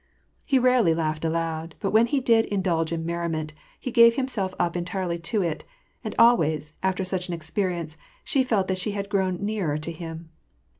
He rarely laughed aloud, but when he did indulge in merriment, he gave himself up entirely to it ; and always, after such an experience, she felt that she had grown nearer to him.